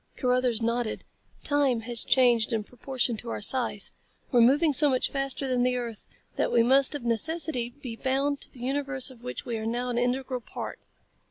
Carruthers nodded. "Time has changed in proportion to our size. We're moving so much faster than the earth that we must of necessity be bound to the universe of which we are now an integral part."